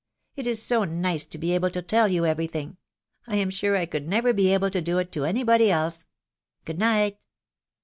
.... It is so nice to be able to tell you every thing. ... I am sure I could never be able to do it to any body else. Good night